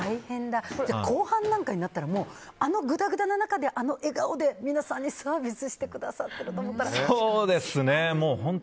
後半なんかに入ったらあのぐだぐだな中で笑顔で皆さんにサービスしてくださってると思ったら。